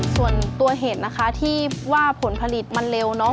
ส่วนตัวเห็ดนะคะที่ว่าผลผลิตมันเร็วเนอะ